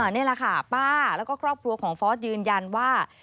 นี่แหละค่ะป้าแล้วก็ครอบครัวของฟอสยืนยันว่า